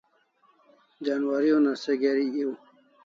Janwari una se geri ew